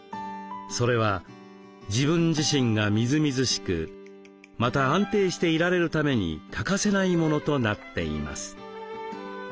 それは自分自身がみずみずしくまた安定していられるために欠かせないものとなっています。